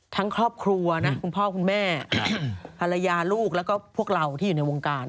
ครอบครัวนะคุณพ่อคุณแม่ภรรยาลูกแล้วก็พวกเราที่อยู่ในวงการ